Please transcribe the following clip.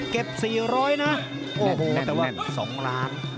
เก็บสี่ร้อยนะโอ้โหแต่ว่าสองล้าน